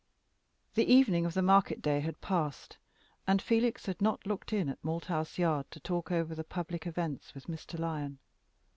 The evening of the market day had passed, and Felix had not looked in at Malthouse Yard to talk over the public events with Mr. Lyon.